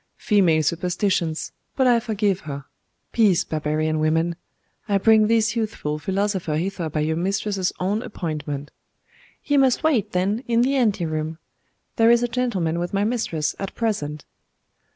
'Female superstitions but I forgive her. Peace, barbarian women! I bring this youthful philosopher hither by your mistress's own appointment.' 'He must wait, then, in the ante room. There is a gentleman with my mistress at present.